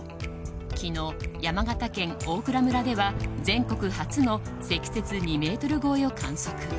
昨日、山形県大蔵村では全国初の積雪２ｍ超えを観測。